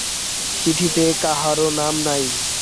চিঠিতে কাহারো নাম নাই।